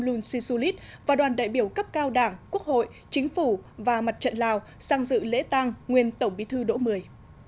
luân xì xu lít và đoàn đại biểu cấp cao đảng quốc hội chính phủ và mặt trận lào sang dự lễ tang nguyên tổng bí thư đồng thời